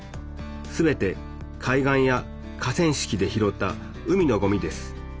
全て海岸や河川敷で拾った海のごみです。